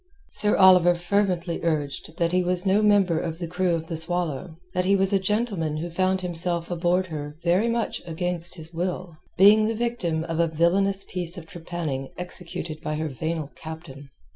Sir Oliver fervently urged that he was no member of the crew of the Swallow, that he was a gentleman who found himself aboard her very much against his will, being the victim of a villainous piece of trepanning executed by her venal captain.